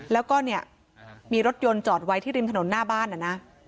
แล้วก็เนี่ยมีรถยนต์จอดไว้ที่ริมถนนหน้าบ้านนะนะ